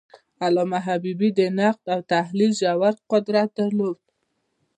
علامه حبیبي د نقد او تحلیل ژور قدرت درلود.